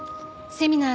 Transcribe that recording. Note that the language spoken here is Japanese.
セミナー？